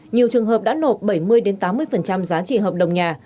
nhiều trường hợp đã nộp bảy mươi tám mươi giá trị hợp đồng nhà